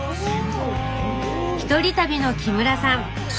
１人旅の木村さん。